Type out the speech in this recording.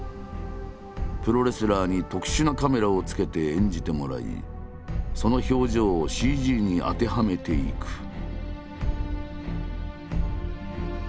プロレスラーに特殊なカメラをつけて演じてもらいその表情をＣＧに当てはめていく。